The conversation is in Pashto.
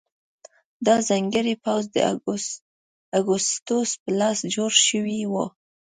دا ځانګړی پوځ د اګوستوس په لاس جوړ شوی و